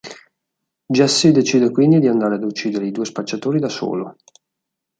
Jesse decide quindi di andare ad uccidere i due spacciatori da solo.